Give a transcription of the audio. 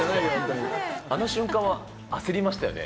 あの瞬間は焦りましたよね。